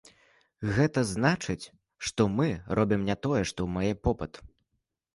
Гэта значыць, што мы робім не тое, што мае попыт.